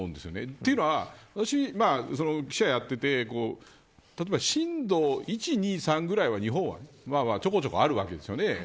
というのは私記者をやっていて例えば震度１、２、３ぐらいは日本はちょこちょこあるわけですよね。